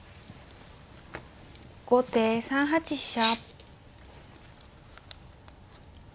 後手３八飛車。